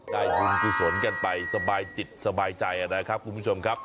บุญกุศลกันไปสบายจิตสบายใจนะครับคุณผู้ชมครับ